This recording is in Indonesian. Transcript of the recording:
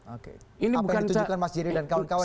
apa yang ditujukan mas jiri dan kawan kawan ini